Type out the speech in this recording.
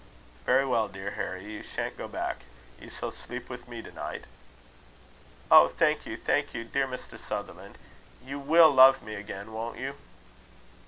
"Very well, dear Harry; you shan't go back. You shall sleep with me, to night." "Oh! thank you, thank you, dear Mr. Sutherland. You will love me again, won't you?"